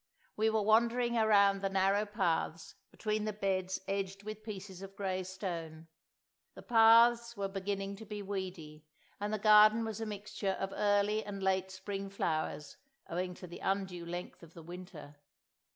We were wandering around the narrow paths, between the beds edged with pieces of grey stone. The paths were beginning to be weedy; and the garden was a mixture of early and late spring flowers, owing to the undue length of the winter.